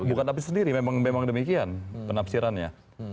bukan tapi sendiri memang demikian penafsirannya